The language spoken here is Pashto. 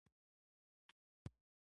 لمر ختلی دی او هوا ډېره خوږه ده.